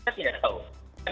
kita tidak tahu